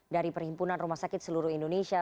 dari perhimpunan rumah sakit seluruh indonesia